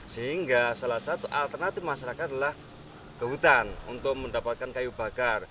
sehingga salah satu alternatif masyarakat adalah ke hutan untuk mendapatkan kayu bakar